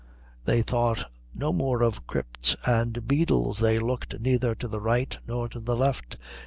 They thought no more of crypts and beadles. They looked neither to the right nor to the left.